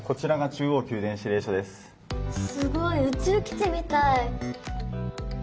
すごい宇宙基地みたい。